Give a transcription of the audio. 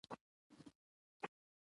نو ورځې ،ساعت، کال ،مياشت پکې ذکر کړي.